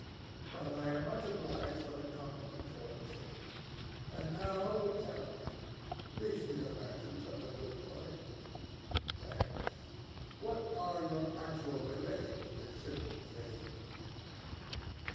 But I am much obliged for the compliment, all the same. And now tell me—reach me the matches, like a good boy—thanks—what are your actual relations with Sibyl Vane?"